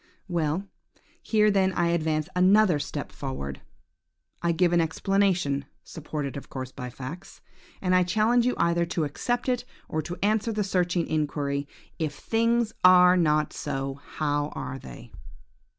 "Well! here then I advance another step forward. I give an explanation (supported of course by facts), and I challenge you either to accept it, or to answer the searching inquiry, 'If things are not so, how are they?'